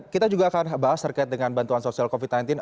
kita juga akan bahas terkait dengan bantuan sosial covid sembilan belas